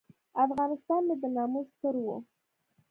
افغانستان مې د ناموس ستر و.